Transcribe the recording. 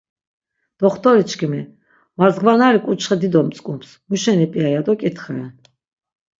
Doxtoriçkimi, mardzgvanari k̆uçxe dido mtzkups, muşeni p̆ia ya do k̆itxeren.